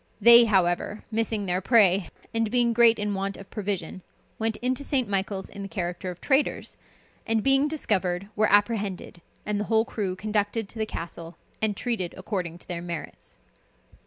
They, however, missing their prey, and being in great want of provision, went into St. Michael's in the character of traders, and being discovered, were apprehended, and the whole crew conducted to the castle, and treated according to their merits.